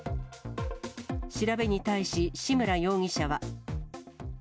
調べに対し、志村容疑者は。